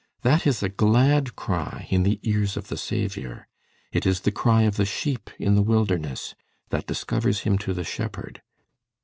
That is a glad cry, in the ears of the Saviour. It is the cry of the sheep in the wilderness, that discovers him to the shepherd."